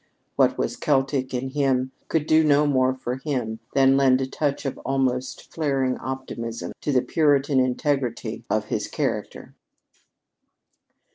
What was Celtic in him could do no more for him than lend a touch of almost flaring optimism to the Puritan integrity of his character.